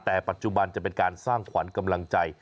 แต่ปัจจุบันจะเป็นการสร้างขวัญกำลังใจ